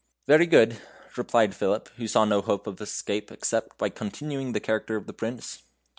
"Very good," replied Philip, who saw no hope of escape, except by continuing the character of the Prince.